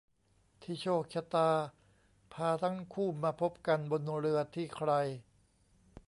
ที่โชคชะตาพาทั้งคู่มาพบกันบนเรือที่ใคร